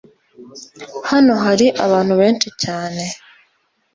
hano hari abantu benshi cyane